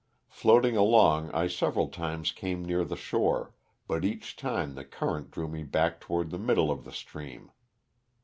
Floating along I several times came near the shore, but each time the current drew rae back to ward the middle of the stream.